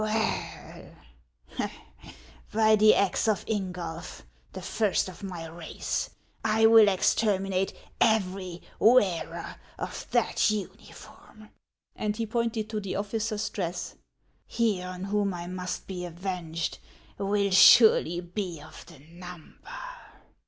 " Well .' by the axe of Ingulf, the first of my race, I will exterminate every wearer of that uniform !" and he pointed to the officer's dress. " He on whom I must be avenged will surely be of the number.